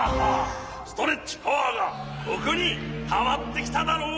ストレッチパワーがここにたまってきただろう？